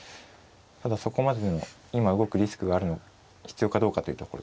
ただそこまでの今動くリスクが必要かどうかというところですね。